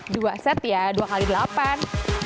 dua set ya dua x delapan